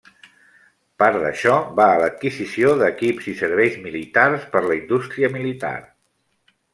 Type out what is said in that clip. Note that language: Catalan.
Part d'això va a l'adquisició d'equips i serveis militars per la indústria militar.